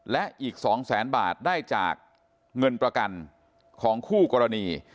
และอีก๒แสนบาทได้จากเงินประกันของคู่กรณี